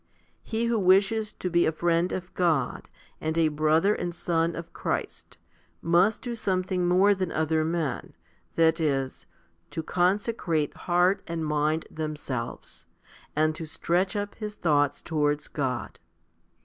He who wishes to be a friend of God, 2 and a brother and son of Christ, must do something more than other men, that is, to conse crate heart and mind themselves, and to stretch up his thoughts towards God.